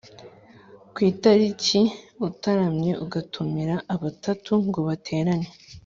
Ku itariki utaramye ugatumira abatatu ngo baterane